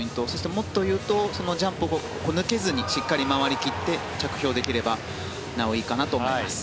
もっと言うとジャンプを抜けずにしっかり回り切って着氷できればなおいいかなと思っています。